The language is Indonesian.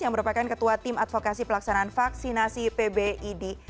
yang merupakan ketua tim advokasi pelaksanaan vaksinasi pbid